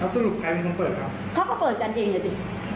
แล้วสรุปใครมันต้องเปิดเหรอเขาก็เปิดกันเองเลยสิ